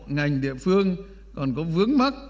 ngành địa phương còn có vướng mắt